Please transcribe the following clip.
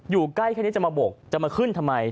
อยู่ใกล้แค่นี้จะมาบกจะมาขึ้นทำไม